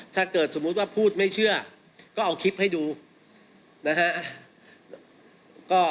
ถ้าเกิดสมมุติว่าพูดไม่เชื่อก็เอาคลิปให้ดูนะฮะ